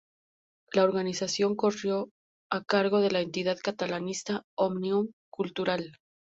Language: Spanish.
La organización corrió a cargo de la entidad catalanista Òmnium Cultural.